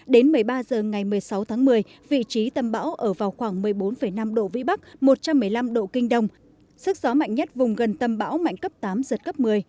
đến một mươi ba h ngày một mươi sáu tháng một mươi vị trí tâm bão ở vào khoảng một mươi bốn năm độ vĩ bắc một trăm một mươi năm độ kinh đông sức gió mạnh nhất vùng gần tâm bão mạnh cấp tám giật cấp một mươi